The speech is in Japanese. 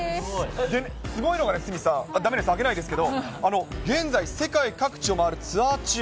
すごいのが、鷲見さん、だめです、あげないですけど、現在、各地を回るツアー中。